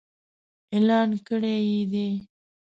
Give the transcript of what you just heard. اعلان کړي يې دي.